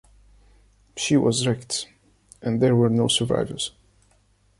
She was wrecked and there were no survivors.